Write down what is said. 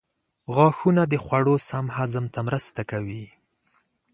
غاښونه د خوړو سم هضم ته مرسته کوي.